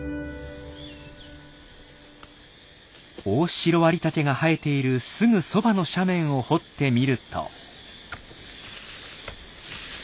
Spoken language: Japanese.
オオシロアリタケが生えているすぐそばの斜面を掘ってみると。